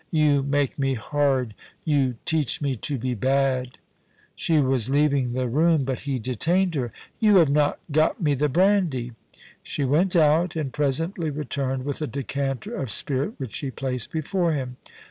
*You make me hard. You teach me to be bad ' She was leaving the room, but he detained her. * You have not got me the brandy.* She went out, and presently returned with a decanter of spirit which she placed before him.